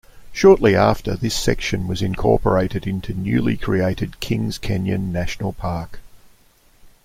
Shortly after, this section was incorporated into newly created Kings Canyon National Park.